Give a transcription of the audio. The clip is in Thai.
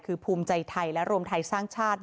คือภูมิใจไทยและรวมไทยสร้างชาติ